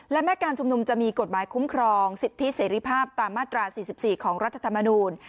และแม้การชุมนุมจะมีกฎหมายคุ้มครองสิทธิเสรีภาพตามมาตรา๔๔ของรัฐธรรมนูล